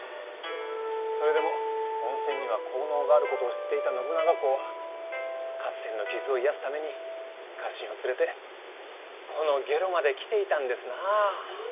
それでも温泉には効能があることを知っていた信長公は合戦の傷を癒やすために家臣を連れてこの下呂まで来ていたんですなぁ。